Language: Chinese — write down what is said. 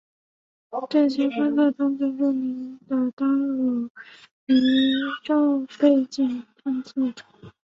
这些观测中最著名的当属宇宙背景探测者。